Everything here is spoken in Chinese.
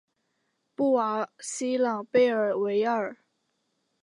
布瓦西朗贝尔维尔。